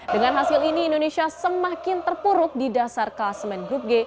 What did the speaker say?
dengan hasil ini indonesia semakin terpuruk di dasar kelas main grup g